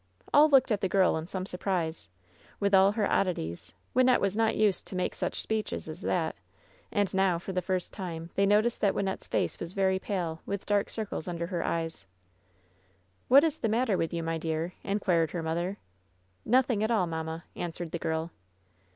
All looked at the girl in some surprise. With all her oddities, Wynnette was not used to make such speeches as that. And now, for the first time, they noticed that Wynnette's face was very pale, with dark circles under her eyes. LOVE'S BITTEREST CUP «9I '^What is the matter with you, my dear V^ inquired her mother. "Nothing at all, mamma," answered the girl.